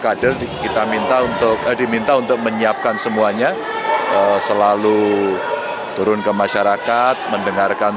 kader kita minta untuk diminta untuk menyiapkan semuanya selalu turun ke masyarakat mendengarkan